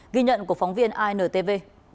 ghi nhận của phóng viên intv